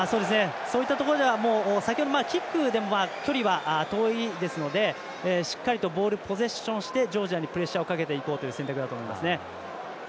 そういったところではキックでは距離は遠いですのでしっかりとボールポゼッションしてジョージアにプレッシャーかけていく選択だと思いますね。